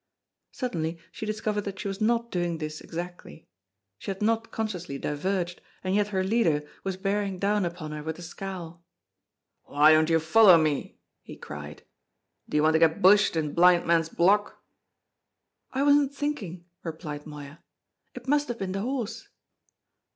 Suddenly she discovered that she was not doing this exactly. She had not consciously diverged, and yet her leader was bearing down upon her with a scowl. "Why don't you follow me?" he cried. "Do you want to get bushed in Blind Man's Block?" "I wasn't thinking," replied Moya. "It must have been the horse."